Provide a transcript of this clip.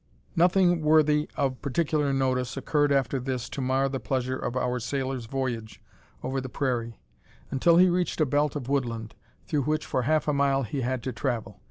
Nothing worthy of particular notice occurred after this to mar the pleasure of our sailor's "voyage" over the prairie until he reached a belt of woodland, through which for half a mile he had to travel.